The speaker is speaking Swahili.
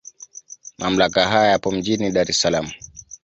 Mamlaka haya yapo mjini Dar es Salaam.